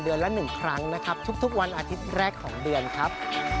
ละ๑ครั้งนะครับทุกวันอาทิตย์แรกของเดือนครับ